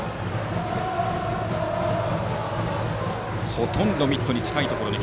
ほとんどミットに近いところ。